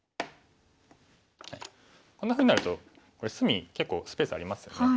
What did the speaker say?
こんなふうになるとこれ隅結構スペースありますよね。